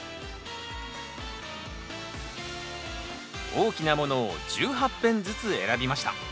大きなものを１８片ずつ選びました。